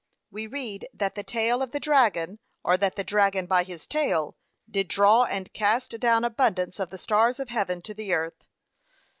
We read that the tail of the dragon, or that the dragon by his tail, did draw and cast down abundance of the stars of heaven to the earth.